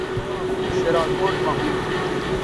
دوئیں را ھُم شراکوٹ مہ ھُون